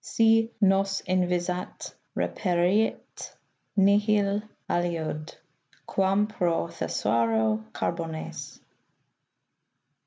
Si nos invisat, reperiet nihil aliud, quam pro thesauro carbones."